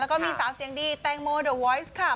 แล้วก็มีสาวเสียงดีแตงโมเดอร์วอยซ์ค่ะ